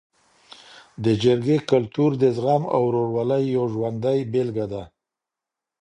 د جرګې کلتور د زغم او ورورولۍ یو ژوندی بېلګه ده.